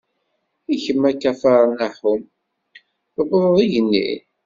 I kem, a Kafar Naḥum, tewwḍeḍ igenni?